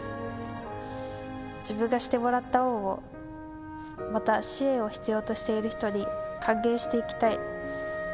自分がしてもらった恩を、また支援を必要としている人に還元していきたい。